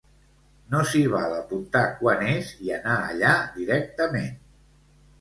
No s'hi val apuntar quan és i anar allà directament.